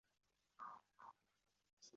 这个故事的主角是四郎少年。